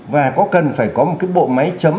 và có cần phải có một cái bộ máy chấm